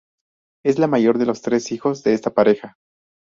Es la mayor de los tres hijos de esta pareja.